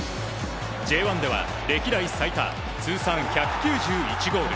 Ｊ１では歴代最多通算１９１ゴール。